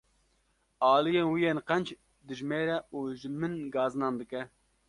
Aliyên wî yên qenc dijmêre û ji min gazinan dike.